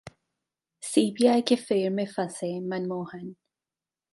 CBI के फेर में फंसे मनमोहन